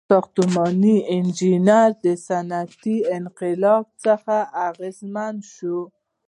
• ساختماني انجینري د صنعتي انقلاب څخه اغیزمنه شوه.